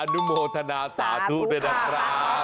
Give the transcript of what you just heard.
อนุโมทนาสาธุระดับทราบ